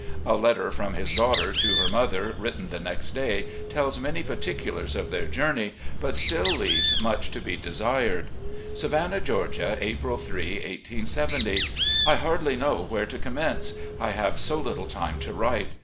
A letter from his daughter to her mother, written the next day, tells many particulars of their journey, but still leaves much to be desired: "Savannah, Georgia, April 3, 1870. "... I hardly know where to commence, I have so little time to write.